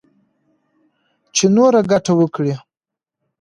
چـې نـوره ګـټـه وكړي.